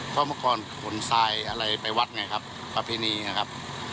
เพราะเมื่อก่อนขนทรายอะไรไปวัดไงครับประเพณีนะครับ